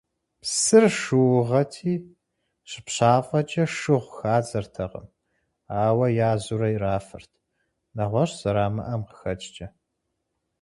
Псыр шыугъэти, щыпщафӏэкӏэ шыгъу хадзэртэкъым, ауэ язурэ ирафырт, нэгъуэщӏ зэрамыӏэм къыхэкӏкӏэ.